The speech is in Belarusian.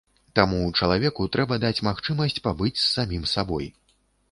Таму чалавеку трэба даць магчымасць пабыць з самім сабой.